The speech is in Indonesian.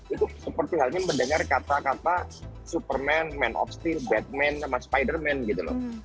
itu seperti halnya mendengar kata kata superman man of steel batman sama spiderman gitu loh